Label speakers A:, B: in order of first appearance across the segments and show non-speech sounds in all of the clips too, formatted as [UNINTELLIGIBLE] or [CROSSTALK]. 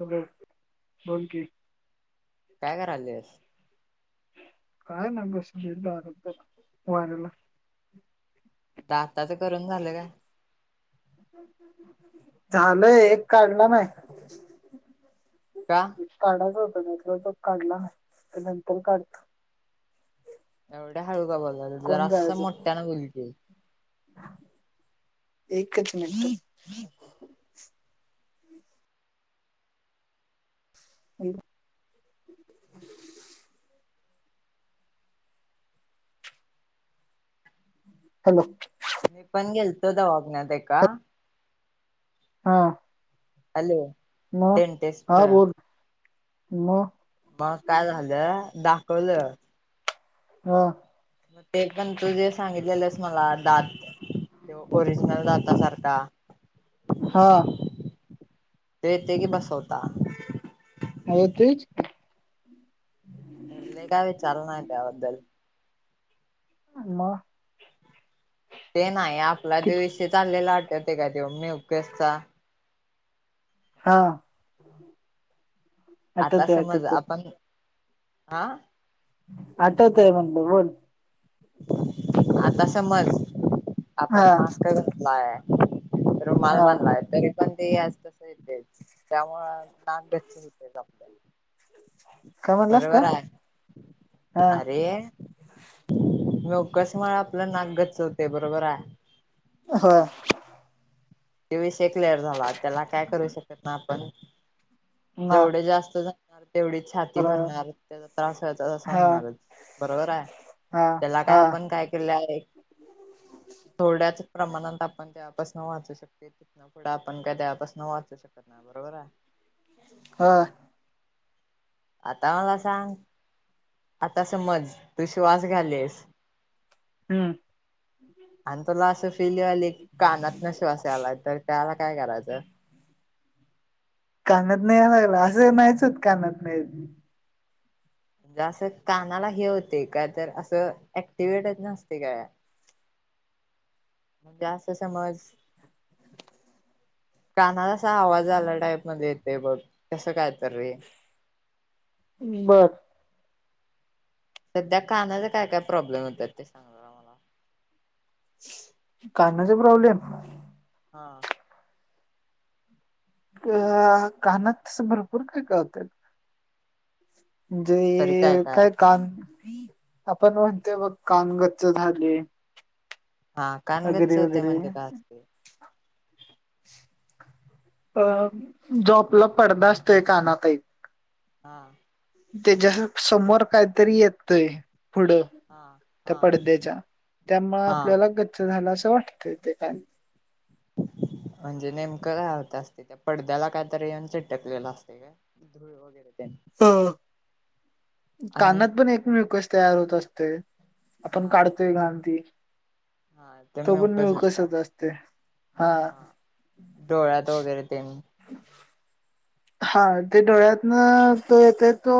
A: Hello बोल की.
B: काय करायलिस.
A: काय नाही बसलीये दारात वाऱ्याला.
B: दाताच करून झाल काय?
A: झालय एक काढला नाही.
B: का?
A: काढायच होत [UNINTELLIGIBLE] नंतर तो काढला नाहीं त नंतर काढ
B: एवढ्या हळू का बोलाला
A: कोण
B: जरांस
A: जायचं
B: मोट्ट्यानं बोल की?
A: एकच मिनटं. [UNINTELLIGIBLE] हॅलो!
B: मी पण गेलतो दवाखान्यात एका.
A: हा!
B: हॅलो!
A: म हा
B: डेंटिस्टकडं
A: बोल म.
B: मग काय झालं दाकवलं.
A: हा!
B: म ते पण तु जे सांगितलेलंस मला दात किवो ओरिजनल दाता सारखा.
A: हा!
B: ते येते की बसवता.
A: आवो तेच!
B: अरे लय काय विचाल नाही त्याबद्दल.
A: हा न म!
B: ते नाही आपला आधी
A: कित
B: विषय चाललेला वाटत ते का तेव मयुकेस चा.
A: हा!
B: आता
A: आठवतय
B: समज
A: आठवतय
B: आपण आ!
A: आठवतय म्हणल बोल?
B: आता समज
A: हा
B: आपण मास्क घतलाय रुमाल
A: हा
B: बांधला आहे तरी पण ते असं तस येतेच, त्यामुळं नाक गच्च होतय राव.
A: काय म्हणलास
B: बरोबर
A: काय
B: आहे
A: हा
B: अरे! म्युकस मुळ आपलं नाक गच्च होतय बरोबर आहे.
A: हो!
B: ते विषय क्लिअर झाला त्याला काय करू शकत नाय आपण
A: ना
B: जेवढे जास्त झा तेवढी छाती
A: बरोबर
B: भरणार त्याचा त्रास व्हायचा तसा
A: हा
B: होणारच बरोबर आहे.
A: हा
B: त्याला काय
A: हा
B: आपण काय केलंल आहे. थोड्याच प्रमाणात आपण त्यापासन वाचू शकतो. ते तिथन पुढं आपण काय त्यां पासन वाचू शकत नाय बरोबर आहे.
A: हां!
B: आता मला सांग. आता समज तू श्वास घ्यायलीस.
A: हम्म
B: आण तुला असं फिलवाली कानात न श्वास याला तर. त्याला काय करायचं?
A: कानातन यायां लागला असं नाहीच होत कानात न येत.
B: म्हणजे असं कानाला हे होते काय तर असं अक्टिवेटच नसते गळ्या म्हणजे असं समज. कानाला असा आवाज आला टाईप मध्ये येतेय बघ कसं काय त रे!
A: बरं.
B: सध्या कानाचा काय काय प्रॉब्लेम होतात ते सांग? जरा मला
A: कानाचा प्रॉब्लेम?
B: हा!
A: अ कामात तस भरपूर काय कळतंय म्हणजे काय कान, आपण म्हणतेय बघ कानगच्च झाले.
B: हा कानगच्च
A: वगैरे
B: होतय
A: वगैरे
B: म्हणजे काय असतय?
A: अ जॉबला पडदा असतोय कानातई
B: हां.
A: त्याच्या समोर काहीतरी येतय पुढं.
B: हा
A: त्या
B: हा
A: पडद्याच्या, त्यामूळ
B: हा
A: आपल्याला गच्च झाल असं वाटतं. ते का
B: म्हणजे नेमकं काय होत असते? त्या पडद्याला कायतरी येऊन चिटकलेलं असते काय? झुरळ वगैरे
A: अ,
B: आणि
A: कानात पण एक मिऊकस तयार होत असते. आपण
B: हा
A: काढतोय घांत ती
B: हा ते
A: तो पण
B: म्युकसच का
A: मिऊकसच असते. हा
B: डोळ्यात वगैरे ते
A: हा ते डोळ्यातन अस येतेय तो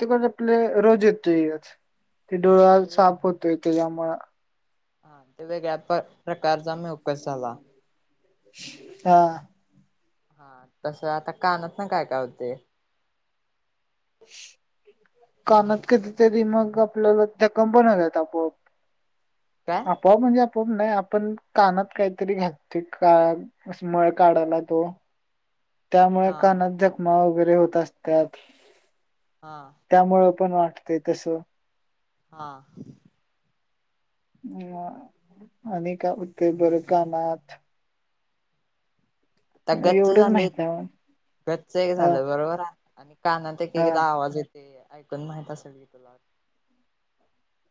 A: ते आपले रोज येतोयच, ते डोळा आपला साफ होतोय त्याच्यामुळे
B: हा ते वेगळ्या प्रकारचा मिऊकस झाला.
A: हा.
B: हा तस आता कानात न काय काय होते?
A: कानाात कधीतरी मग आपल्याला ते [UNINTELLIGIBLE] आपोआप
B: काय
A: आपोआप म्हणजे आपोआप नाही आपण कानात काहीतरी घालतोय का अस मळ काढायला तो त्यामुळे
B: हा
A: कानात जखमा वगैरे होत असत्यात.
B: हा.
A: त्यामुळे पण वाटते तसं.
B: हा.
A: अ आणि काय होते बर कानात?
B: आता गच्च
A: एवढंच
B: झाले,
A: माहित आहे
B: गच्च एक
A: ह
B: झालं बरोबर आहे. अन् कानात एक-
A: हा
B: एकदा आवाज येत. ते ऐकून माहित असेल की तुला?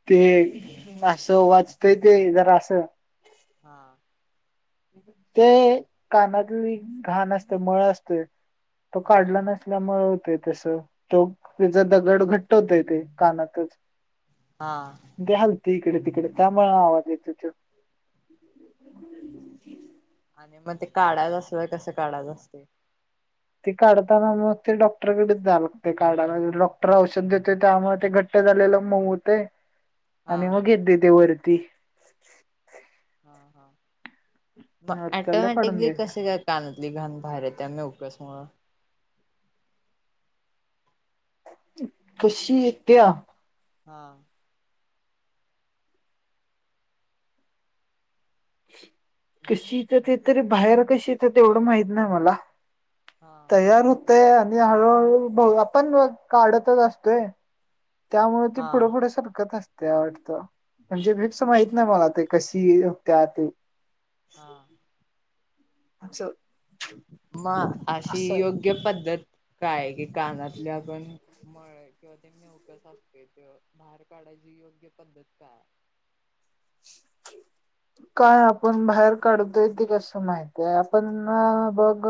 A: ते असं वाचतय ते जरा असं
B: हां.
A: ते कानातली घाण असते मळ असतोय, तो
B: हा
A: काढला नस ल्यामुळे होतं तस तो त्याचा दगड घट्ट होतय ते कानातच.
B: हा.
A: ते हालते इकड- तिकड त्यामुळे आवाज येतो तो
B: आणि मग ते काढायच अस कसं काढायचं असते?
A: ते काढताना मग ते डॉक्टरकडेच जाल ते काढाला, डॉक्टर औषध देतोय त्यामुळे ते घट घट्ट झालेलं मऊ होते.
B: [INAUDIBLE]
A: आणि मग येते ते वरती.
B: ह ह, म
A: मग त्याला काढून
B: ऑटोमॅटिकली
A: घ्यायच
B: कस जात कानातली घाण बाहेर येते मिऊकस मुळं
A: कशी येत्या
B: हा.
A: कशी येते ते तरी बाहेर कशी येते तेवढं माहित नाही मला.
B: हा.
A: तयार होतय आणि हळूहळू बघ आपण काढतच असतोय. त्यामुळे ते
B: हा
A: पुढे पुढे सरकत असत त्या वाटत. म्हणजे फिक्स माहित नाही मला ते कशी होत्या ते.
B: हा.
A: असं.
B: म अशी
A: असं
B: योग्य पद्धत काय कि कानातल्या आपण मळ किंवा ते मिऊकस असते ते बाहेर काढायची योग्य पद्धत काय?
A: काय आपण बाहेर काढतोय ते कसं माहिती या. आपण बघ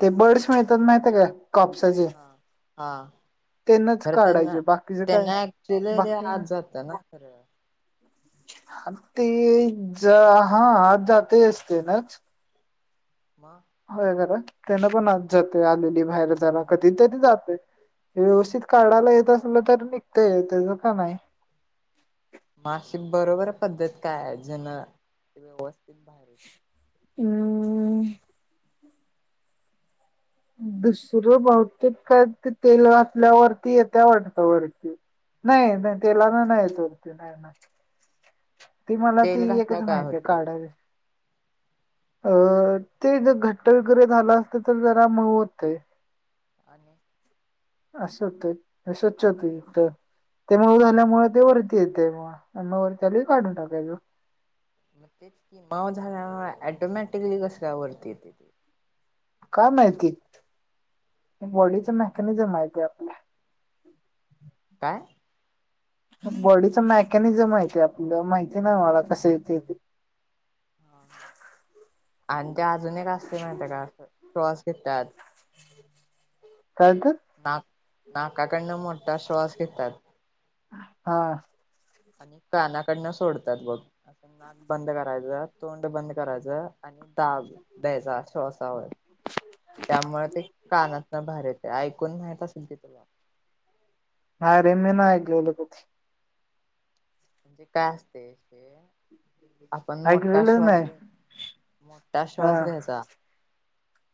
A: ते बर्ड्स मिळतात माहितीय का कापसाचे?
B: हा हा,
A: त्यांनाच
B: खरं त्यांना
A: काढायचे बाकीच
B: त्यान
A: काय
B: ऍक्च्युली ते
A: बाकी
B: आत जात त ना खरं.
A: ह ते जा हा आत जातायचं तेन.
B: म?
A: होय खरं. त्यान पण आत जातय आलेली बाहेर जरा कधीतरी जातय. व्यवस्थित काढायला येत असलं तर निघतय त्याचं का नाही.
B: म अशी बरोबर पद्धत काय आहे? जन ते व्यवस्थित बाहेर येतं?
A: अं दुसरं बहुतेक काय ते तेल घातल्यावरती येत्या वाटत वरती. नाही नाही तेलान नाही येत वरती. नाही नाही. ती मला
B: तेल
A: ती एकच
B: घातल्यावर काय
A: माहिती आहे
B: होते
A: काढायची. अ ते जर घट्ट वगैरे झाल असते तर ज चा मळ होतय.
B: आणि?
A: असं होतय. अस्वच्छता युक्त ते मऊ झाल्यामुळे ते वरती येते म. म वरती आल्यावर काढून टाकायचं.
B: मग तेच की मऊ झाल्याव ऑटोमॅटिकली कस का वरती येत?
A: काय माहिती? बॉडीच मॅकॅनिझम आहे ते आपल्या.
B: काय?
A: बॉडीच मॅकॅनिझम आहे आपल्या. माहिती नाही मला कस येतंय ते?
B: हां हां. आणि ते अजुन एक असते माहितीय का? ते असं क्रॉस घेतात.
A: काय त?
B: ना नाकाकडनं मोठा श्वास घेतात.
A: हा,
B: आणि कानाकडनं सोडतात बघ. नाक बंद करायचं, तोंड बंद करायचं आणि दाब द्यायचा श्वासव. त्यामुळ ते कानातन बाहेर येत. ऐकून माहत असेल ते तुला.
A: नाही रे, मी नाही ऐकलेलं कधी.
B: म्हणजे काय असते एक ते, आपण मोठा
A: ऐकलेलंच
B: श्वास
A: नाही
B: घ्यायचा मोठा
A: हा
B: श्वास घ्यायचा आत.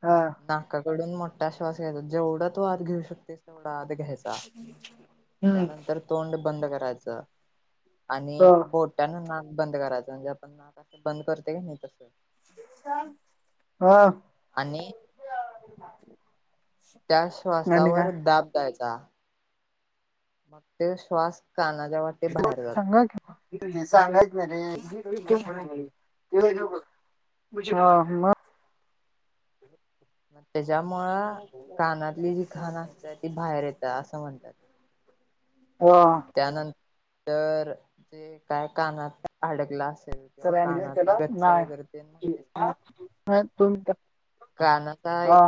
A: हा
B: ना काकडून मोठा श्वास घ्यायचा. जेवढा तू आत घेऊ शकतेस तेवढा आत घ्यायचा,
A: हम्म
B: त्यानंतर तोंड बंद करायचं आणि
A: हो
B: बोट टान नाक बंद करायचं. म्हणजे आपण नाक असं बंद करते का नाही तसं.
A: अ?
B: आणि
A: ह
B: त्या श्वासावर दाब द्यायचा. मग तो श्वास काणा जवळ
A: सांगा सांगायच ना रे ह मग!
B: मग त्याच्यामुळं कानातली जी घाण असते ती बाहेर येतं असं म्हणतात.
A: हो
B: त्यानंतर जे काय कानात काय अडकलं असेल. किंवा
A: तर
B: कानात
A: त्याला
B: गच्च
A: नाही
B: वगैरे ते म्हणते.
A: नाही तुम
B: काणत आहे.
A: हा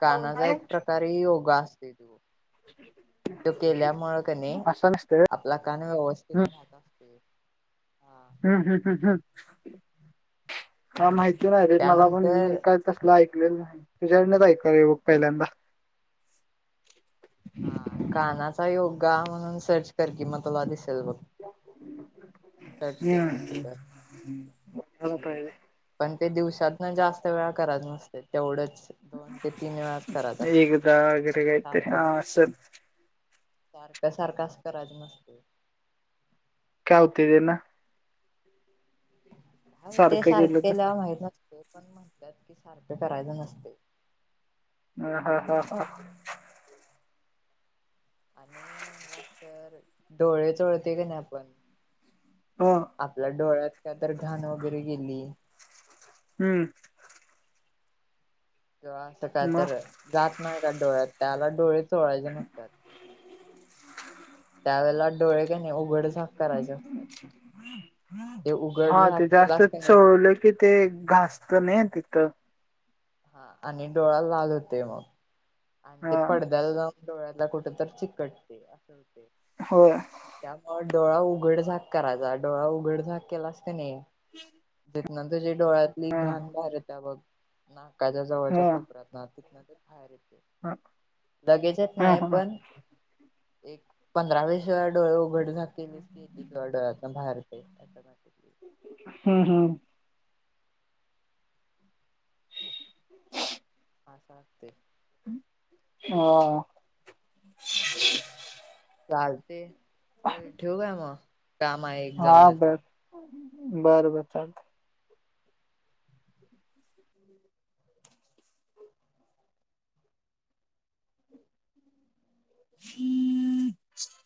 B: कानाचा एक प्रकारे योगा असते. तो केल्यामुळे कानी
A: असं नसतं व्हय
B: आपला कान व्यवस्थित राहते. हम
A: ह काय माहिती नाही रे मला पण मी
B: त्यानंतर
A: काय? तसलं ऐकलेलं तुझ्यानच ऐका हे बुक पहिल्यांदा!
B: हा कानाचा योगा म्हणून सर्च कर की मग तुला दिसेल बघ. सर्च
A: हम
B: केल्यानंतर पण ते दिवसात ना जास्त वेळ करात नसते तेवढंच. दोन ते तीन वेळास करायच असते
A: एकदा वगैरे काहीतरी
B: सारखं
A: हा
B: पण
A: असं
B: सारख्या सारखा अस करायचं नसत.
A: काय होते देे ना!
B: हो ते सारखं केल्या माहीत नसते पण म्हटलंत की सारखं करायचं नसते‌.
A: ह हा हा हा
B: आणि येन लास् तर डोळे चोळते का नाही आपण.
A: हो
B: आपल्या डोळ्यात का तर घाणं वगैरे गेली.
A: हम्म
B: किंवा असं काय
A: मग
B: तर जात नाही का डोळ्यात त्याला डोळे चोळायचे नसतात. त्यावेेळेला डोळे नाही उघड झाक करायचे असतात ते उघड झाक केलास का नाही तो
A: कि ते घासत नाही तिथं!
B: हा आणि डोळा लाल होते मग! आणि ते
A: हा
B: पडद्याला जाऊन डोळ्याला कुठ तर चिकटते असं होते.
A: हो
B: त्यामुळे डोळा उघड झाक करायचा डोळा उघड झाक केला अस का नाही.
A: हम्
B: ना तझ डोळ्यातली घाण बाहेर त्या बघ नाकाच्या जवळच्या
A: हा
B: कोपऱ्यात. त ना ते बाहेर येते लगेचेत
A: हा
B: नाही
A: हा हा.
B: पण एक पंधरा वीस वेळा डोळे उघड झाक केलेकी तेे तेव्हा डोळ्यात बाहेर
A: ह ह ह
B: अस असते.
A: हा
B: चालते च ठेवू का मग काम आहे. एक
A: हा
B: जाऊन येतो.
A: तेच बर बर चालतय [INAUDIBLE]